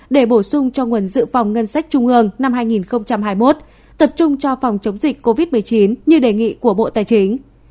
để bổ sung cho nguồn dự phòng ngân sách trung ương năm hai nghìn hai mươi một tập trung cho phòng chống dịch covid một mươi chín như đề nghị của bộ tài chính